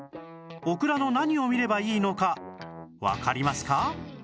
オクラの何を見ればいいのかわかりますか？